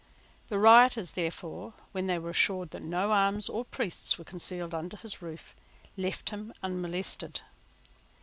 The rioters, therefore, when they were assured that no arms or priests were concealed under his roof, left him unmolested.